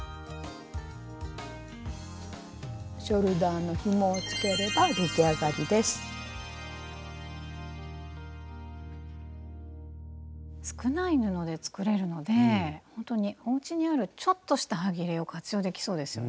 ショルダーのひもをつければ少ない布で作れるのでほんとにおうちにあるちょっとしたはぎれを活用できそうですよね。